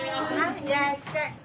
いらっしゃい。